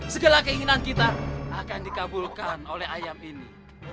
segala keinginan kita akan dikabulkan oleh ayam ini